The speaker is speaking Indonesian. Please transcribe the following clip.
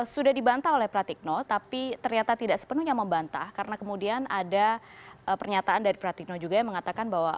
sudah dibantah oleh pratikno tapi ternyata tidak sepenuhnya membantah karena kemudian ada pernyataan dari pratikno juga yang mengatakan bahwa